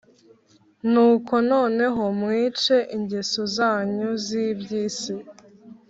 Nuko noneho mwice ingeso zanyu z iby isi